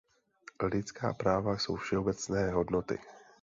Lidská práva jsou všeobecné hodnoty.